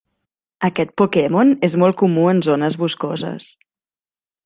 Aquest Pokémon és molt comú en zones boscoses.